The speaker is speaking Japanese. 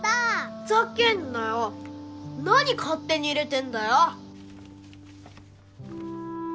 ふざけんなよ何勝手に入れてんだよ